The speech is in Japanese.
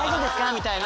みたいな。